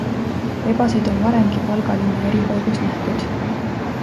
Rebaseid on varemgi Valga linna eri paigus nähtud.